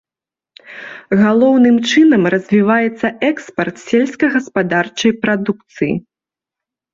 Галоўным чынам развіваецца экспарт сельскагаспадарчай прадукцыі.